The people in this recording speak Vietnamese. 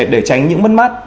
để tránh những mất mát